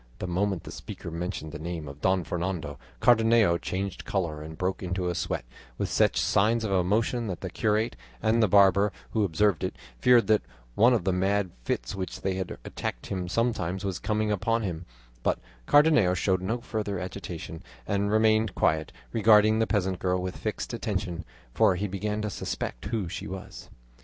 The moment the speaker mentioned the name of Don Fernando, Cardenio changed colour and broke into a sweat, with such signs of emotion that the curate and the barber, who observed it, feared that one of the mad fits which they heard attacked him sometimes was coming upon him; but Cardenio showed no further agitation and remained quiet, regarding the peasant girl with fixed attention, for he began to suspect who she was.